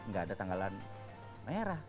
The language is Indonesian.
gak ada tanggalan merah